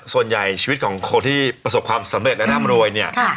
ส่วนใหญ่ชีวิตของคนที่ประสบความสำเร็จและทำรวย